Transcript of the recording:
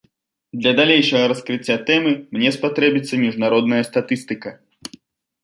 Для далейшага раскрыцця тэмы мне спатрэбіцца міжнародная статыстыка.